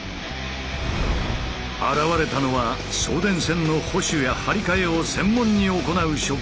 現れたのは送電線の保守や張り替えを専門に行う職人。